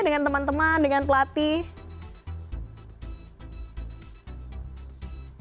dengan temen temen dengan pelatih